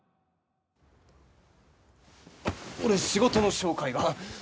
俺仕事の紹介が。